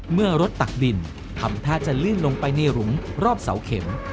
เมื่อรถตักดินทำท่าจะลื่นลงไปในหลุมรอบเสาเข็ม